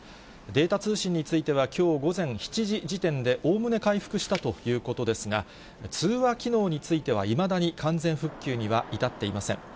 データ通信についてはきょう午前７時時点で、おおむね回復したということですが、通話機能についてはいまだに完全復旧には至っていません。